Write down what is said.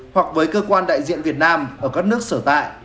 hoặc với cơ quan đại diện việt nam ở các nước sở tại